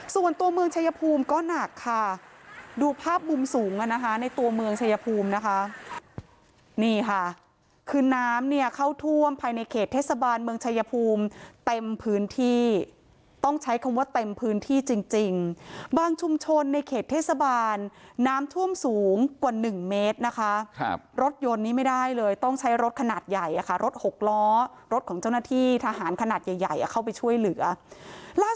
ส่วนตัวเมืองชายภูมิก็หนักค่ะดูภาพมุมสูงอ่ะนะคะในตัวเมืองชายภูมินะคะนี่ค่ะคือน้ำเนี่ยเข้าท่วมภายในเขตเทศบาลเมืองชายภูมิเต็มพื้นที่ต้องใช้คำว่าเต็มพื้นที่จริงบางชุมชนในเขตเทศบาลน้ำท่วมสูงกว่าหนึ่งเมตรนะคะรถยนต์นี้ไม่ได้เลยต้องใช้รถขนาดใหญ่อ่ะค่ะรถหกล้อ